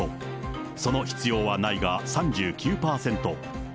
その必要はないが３９％。